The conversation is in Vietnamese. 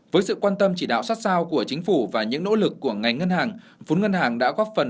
với sự quan tâm chỉ đạo sát sao của chính phủ và những nỗ lực của ngành ngân hàng phú ngân hàng đã góp phần